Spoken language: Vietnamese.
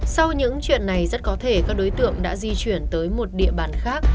sau những chuyện này rất có thể các đối tượng đã di chuyển tới một địa bàn khác